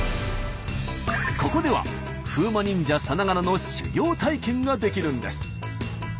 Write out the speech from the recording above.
ここでは風魔忍者さながらの修行体験ができるんです。